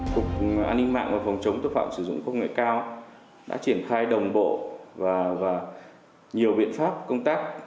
cục an ninh mạng và phòng chống tội phạm sử dụng công nghệ cao đã triển khai đồng bộ và nhiều biện pháp công tác